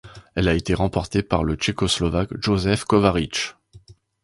Elle a été remportée par le tchécoslovaque Josef Kovařík.